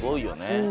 うん。